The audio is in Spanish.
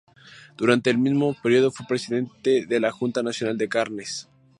Durante el mismo período fue presidente de la Junta Nacional de Carnes.